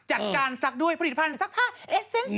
จัดการศักดีด้วยผ้าสักผ้าเอเส็นสุดใหม่